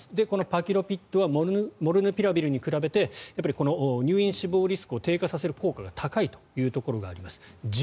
このパキロビッドはモルヌピラビルに比べて入院・死亡リスクを低下させる効果が高いというところがあります。